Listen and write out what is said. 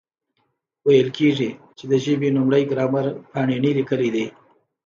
ویل کېږي، چي د ژبي لومړی ګرامر پانني لیکلی دئ.